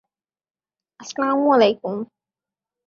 ডানহাতি শীর্ষ/মাঝারী সারির ব্যাটসম্যানরূপে দলে অংশগ্রহণ করেন।